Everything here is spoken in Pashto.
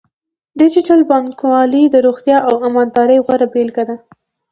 ډیجیټل بانکوالي د روڼتیا او امانتدارۍ غوره بیلګه ده.